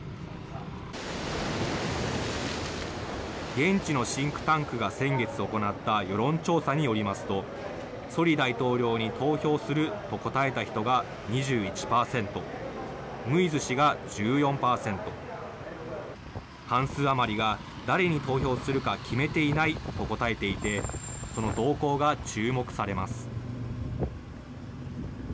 現地のシンクタンクが先月行った世論調査によりますと、ソリ大統領に投票すると答えた人が２１％、ムイズ氏が１４％、半数余りが誰に投票するか決めていないと答えていて、その動向が注目されます。